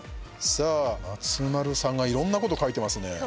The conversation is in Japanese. さあ松丸さんがいろんなことを書いていますね。